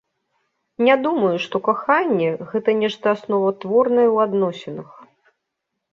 Не думаю, што каханне, гэта нешта асноватворнае ў адносінах.